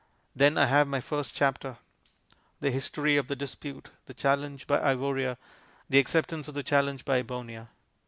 There I have my first chapter: The history of the dispute, the challenge by Ivoria, the acceptance of the challenge by Ebonia.